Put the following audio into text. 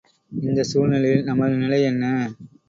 இந்தச் சூழ் நிலையில் நமது நிலை என்ன?